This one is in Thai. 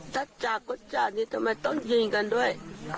ถ้าจับก็จับนี่ทำไมต้องยิงกันด้วย